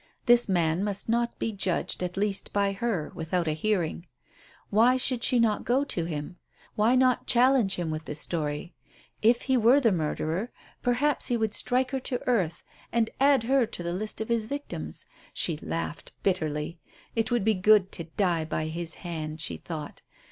This man must not be judged, at least by her, without a hearing. Why should she not go to him? Why not challenge him with the story? If he were the murderer, perhaps he would strike her to the earth, and add her to the list of his victims. She laughed bitterly. It would be good to die by his hand, she thought.